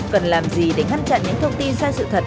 cần làm gì để ngăn chặn những thông tin sai sự thật